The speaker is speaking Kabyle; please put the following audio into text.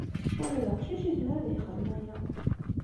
Ula d aqcic yezmer ad yexdem aya.